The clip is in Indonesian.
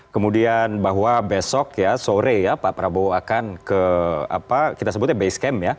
kemudian bahwa besok sore pak prabowo akan ke base camp ya